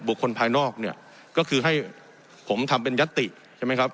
คนภายนอกเนี่ยก็คือให้ผมทำเป็นยัตติใช่ไหมครับ